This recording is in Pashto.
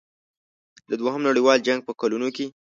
د دوهم نړیوال جنګ په کلونو کې.